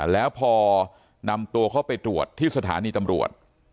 แล้วพอนำตัวเขาไปตรวจที่สถานีตำรวจ